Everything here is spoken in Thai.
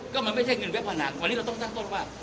ก็มันไม่ใช่เงินเว็บพนันวันนี้เราต้องตั้งต้นว่า